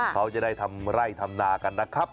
เขาจะได้ทำไร่ทำนากันนะครับ